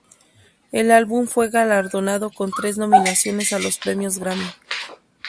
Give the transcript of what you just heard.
El álbum fue galardonado con tres nominaciones a los premios Grammy.